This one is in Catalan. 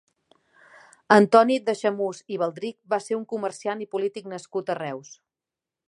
Antoni d'Aixemús i Baldrich va ser un comerciant i polític nascut a Reus.